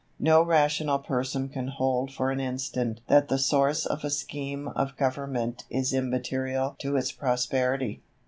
No rational person can hold for an instant that the source of a scheme of government is immaterial to its prosperity.